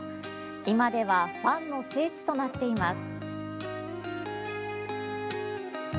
今ではファンの聖地となっています。